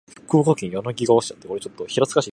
福岡県柳川市